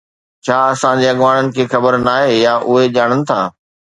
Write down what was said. ڇا اسان جي اڳواڻن کي خبر ناهي يا اهي ڄاڻن ٿا